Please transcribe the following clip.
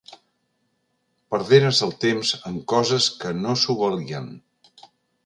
Perderes el temps en coses que no s'ho valien.